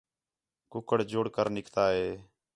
کُکڑ جُڑ کر نِکتا ہِے